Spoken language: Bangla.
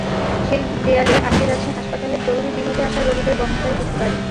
সেই দেয়ালে আটকে যাচ্ছে হাসপাতালের জরুরি বিভাগে আসা রোগীদের বহনকারী কিছু গাড়ি।